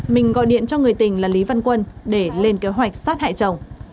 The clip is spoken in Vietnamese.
mình gọi điện cho người tình là lý văn quân để lên kế hoạch sát hại chồng